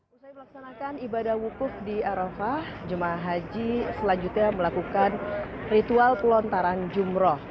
setelah melaksanakan ibadah wukuf di arafah jemaah haji selanjutnya melakukan ritual pelontaran jumroh